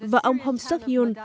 và ông hong seok yoon